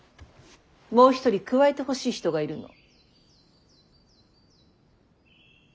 もう一人加えてほしい人がいるの。